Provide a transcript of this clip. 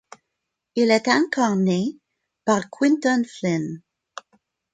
Il est incarné par Quinton Flynn.